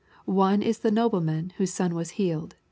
One is the nobleman whose son was healed.